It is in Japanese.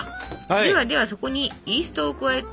ではではそこにイーストを加えて。